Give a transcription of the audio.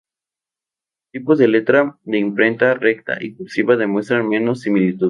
Los tipos de letra de imprenta recta y cursiva demuestran menos similitud.